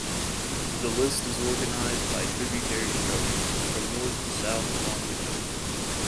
The list is organized by tributary structure, from north to south along the coast.